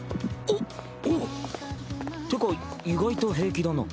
おおう。ってか意外と平気だな。